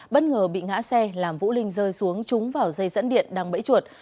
bất ngờ bị ngã xe làm vũ linh rơi xuống trúng vào dây dẫn điện đang bẫy chuột